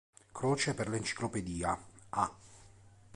Croce per l'"Enciclopedia," A".